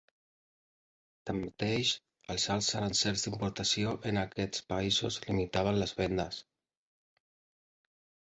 Tanmateix, els alts aranzels d'importació en aquests països limitaven les vendes.